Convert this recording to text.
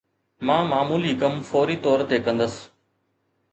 مان معمولي ڪم فوري طور تي ڪندس